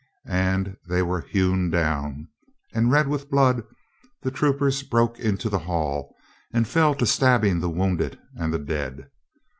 and they were hewn down, and red with blood, the troop ers broke into the hall, and fell to stabbing the wounded and the dead.